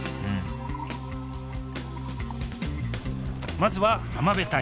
まずは浜辺隊。